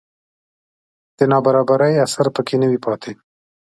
د نابرابرۍ اثر په کې نه وي پاتې